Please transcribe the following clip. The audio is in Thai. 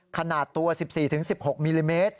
ขนาดตัว๑๔๑๖มิลลิเมตร